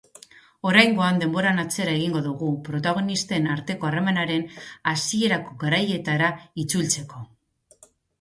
Oraingoan denboran atzera egingo dugu, protagonisten arteko harremanaren hasierako garaietara itzultzeko.